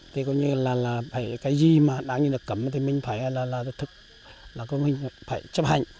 thì có như là cái gì mà đáng nhìn được cấm thì mình phải là thực thực là mình phải chấp hành